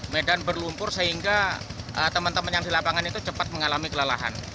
medan berlumpur sehingga teman teman yang di lapangan itu cepat mengalami kelelahan